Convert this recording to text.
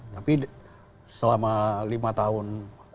tapi selama lima tahun